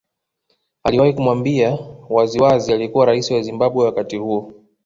Aliwahi kumwambia waziwazi aliyekuwa rais wa Zimbabwe wakati huo